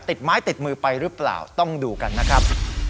ติดไม้ติดมือไปหรือเปล่าต้องดูกันนะครับ